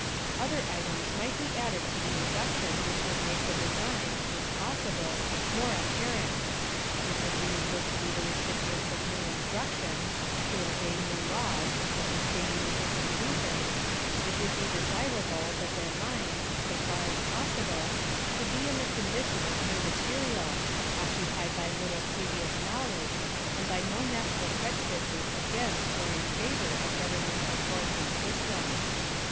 Other items might be added to the induction which would make the design, if possible, more aj> parent. If the Jews were to be the recipients of new instruction — to obey new laws, and to sustain new institutions, it would be desirable that their minds, so far as possible, should be in the condition of new material, occupied by little previous know ledge, and by no national prejudices against or in favor of govermental forms and systems.